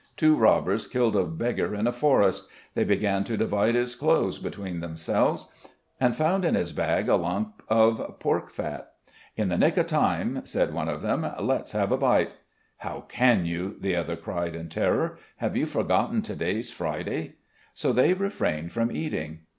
Two robbers killed a beggar in a forest; they began to divide his clothes between themselves and found in his bag a lump of pork fat. 'In the nick of time,' said one of them. 'Let's have a bite!' 'How can you?' the other cried in terror. 'Have you forgotten to day's Friday?' So they refrained from eating.